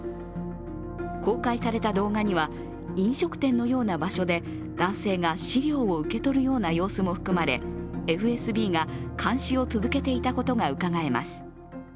公開された動画には、飲食店のような場所で男性が資料を受け取るような様子も含まれ、ＦＳＢが監視を続けていたことがうかがえます。